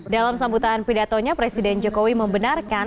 dalam sambutan pidatonya presiden jokowi membenarkan